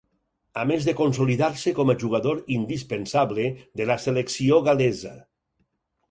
A més de consolidar-se com a jugador indispensable de la selecció gal·lesa.